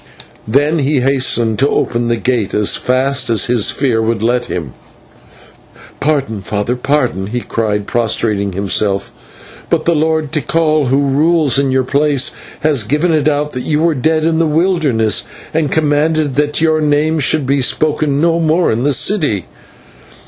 Then he hastened to open the gate, as fast as his fear would let him. "Pardon, father, pardon," he cried, prostrating himself, "but the Lord Tikal, who rules in your place, has given it out that you were dead in the wilderness, and commanded that your name should be spoken no more in the city."